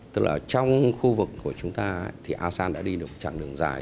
tức là trong khu vực của chúng ta thì asean đã đi được một chặng đường dài